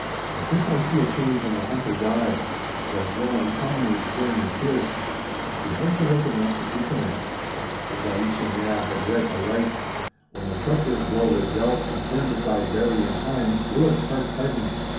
I think I see a change in the hunter's eye. It has grown uncommonly stern and fierce. He has the look of an executioner." De Galisonnière had read aright. When the treacherous blow was dealt and turned aside barely in time, Willet's heart hardened.